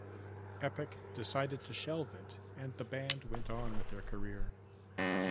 Epic decided to shelve it and the band went on with their career.